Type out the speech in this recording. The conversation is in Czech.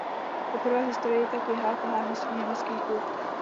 Poprvé v historii tak vyhrál Pohár mistrů německý klub.